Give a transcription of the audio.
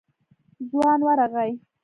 ځوان ورغی.